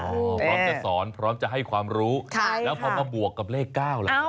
พร้อมจะสอนพร้อมจะให้ความรู้แล้วพอมาบวกกับเลข๙ล่ะครับ